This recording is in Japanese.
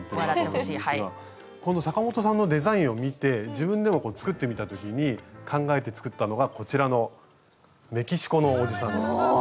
この阪本さんのデザインを見て自分でもこう作ってみた時に考えて作ったのがこちらのメキシコのおじさんです。